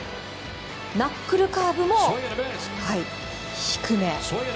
ナックルカーブも、低め。